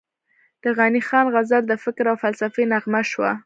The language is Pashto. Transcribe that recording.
د غني خان غزل د فکر او فلسفې نغمه شوه،